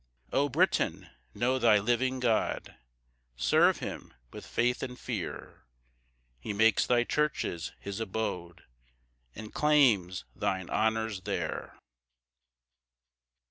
] 8 O Britain, know thy living God, Serve him with faith and fear; He makes thy churches his abode, And claims thine honours there.